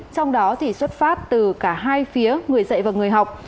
trong đó thì xuất phát từ cả hai phía người dạy và người học